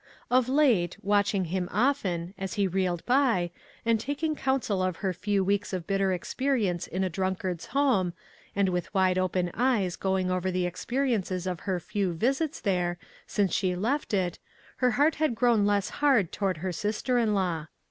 Of late, watching him often, as he reeled by, and taking counsel of her few weeks of bitter experience in a drunkard's home, and with wide open eyes going over the ex periences of her few visits there, since she left it, her heart had grown less hard to ward her sister in law.